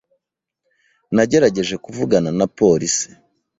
Nagerageje kuvugana na polisi.